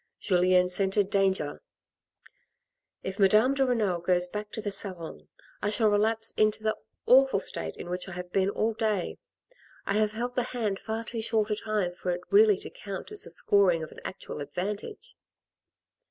Julien scented danger, " if Madame de Renal goes back to the salon, I shall relapse into the awful 56 THE RED AND THE BLACK state in which I have been all day. I have held the hand far too short a time for it really to count as the scoring of an actual advantage."